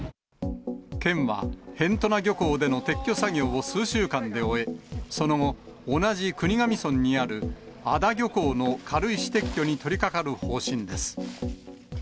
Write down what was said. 県は辺士名漁港での撤去作業を数週間で終え、その後、同じ国頭村にある安田漁港の軽石撤去に取りかかる方針です。